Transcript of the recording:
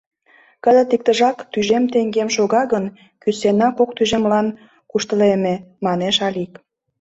— Кызыт иктыжак тӱжем теҥгем шога гын, кӱсенна кок тӱжемлан куштылеме, — манеш Алик.